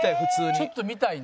ちょっと見たいね。